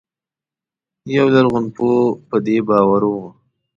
یو لرغونپوه په دې باور و.